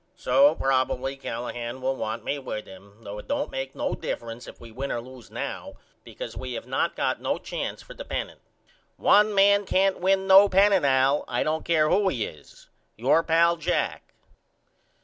So probily Callahan will want me with him though it don't make no difference if we win or lose now because we have not got no chance for the pennant. One man can't win no pennant Al I don't care who he is. Your pal, JACK.